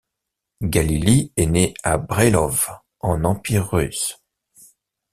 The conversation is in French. Galili est né à Brailov en Empire russe.